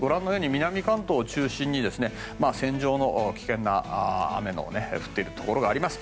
南関東を中心に線状の危険な雨の降っているところあります。